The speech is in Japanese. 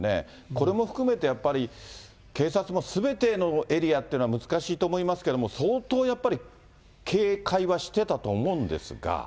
これも含めてやっぱり、警察もすべてのエリアっていうのは難しいと思いますけれども、相当やっぱり警戒はしてたとは思うんですが。